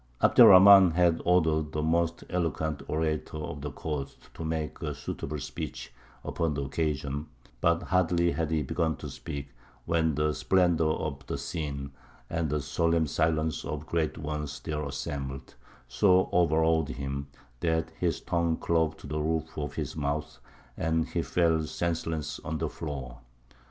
Abd er Rahmān had ordered the most eloquent orator of the court to make a suitable speech upon the occasion; but hardly had he begun to speak, when the splendour of the scene, and the solemn silence of the great ones there assembled, so overawed him, that his tongue clove to the roof of his mouth, and he fell senseless on the floor.